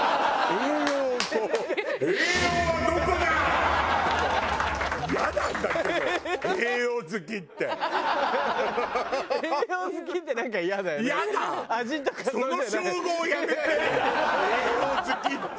「栄養好き」って。